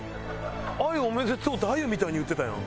「あゆおめでとう」ってあゆみたいに言ってたやん。